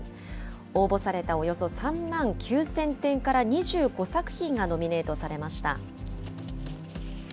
応募されたおよそ３万９０００点から２５作品がノミネートされました。